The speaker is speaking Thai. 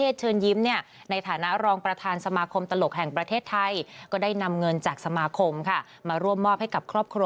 ซึ่งตรงนี้นะคะ